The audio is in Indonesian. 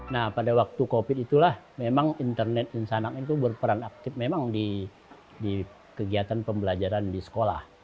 nah pada waktu covid itulah memang internet insanang itu berperan aktif memang di kegiatan pembelajaran di sekolah